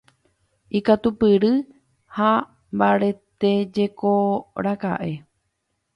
Ikatupyry ha mbaretéjekoraka'e.